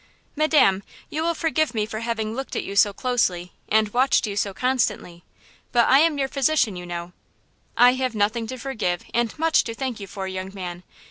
"Madam, you will forgive me for having looked at you so closely, and watched you so constantly, but I am your physician, you know–" "I have nothing to forgive and much to thank you for, young man.